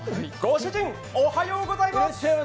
ご主人おはようございます。